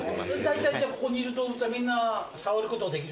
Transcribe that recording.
だいたいここにいる動物はみんな触ることができる？